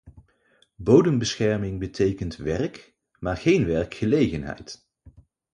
Bodembescherming betekent werk maar geen werkgelegenheid.